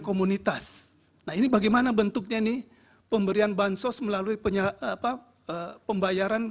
komunitas nah ini bagaimana bentuknya nih pemberian bansos melalui apa pembayaran